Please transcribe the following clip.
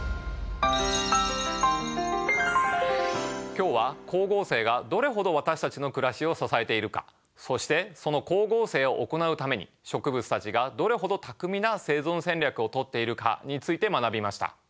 今日は光合成がどれほど私たちの暮らしを支えているかそしてその光合成を行うために植物たちがどれほど巧みな生存戦略をとっているかについて学びました。